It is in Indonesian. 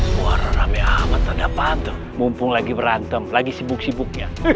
suara rame amat ada patuh mumpung lagi berantem lagi sibuk sibuknya